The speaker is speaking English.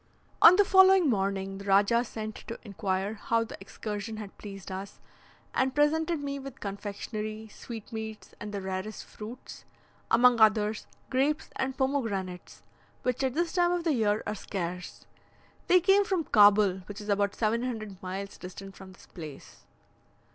On the following morning the Rajah sent to inquire how the excursion had pleased us, and presented me with confectionery, sweetmeats, and the rarest fruits; among others, grapes and pomegranates, which at this time of the year are scarce. They came from Cabul, which is about 700 miles distant from this place.